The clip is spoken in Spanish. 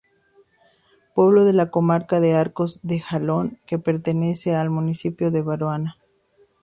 Pueblo de la Comarca de Arcos de Jalón que pertenece al municipio de Baraona.